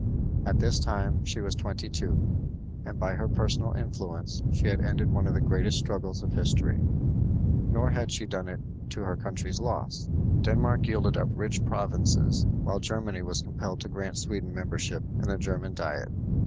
At this time she was twenty two, and by her personal influence she had ended one of the greatest struggles of history. Nor had she done it to her country's loss. Denmark yielded up rich provinces, while Germany was compelled to grant Sweden membership in the German diet.